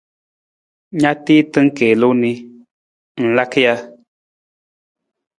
Na tiita kiilung ni, ng laka ja?